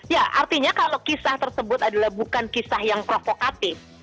ya artinya kalau kisah tersebut adalah bukan kisah yang provokatif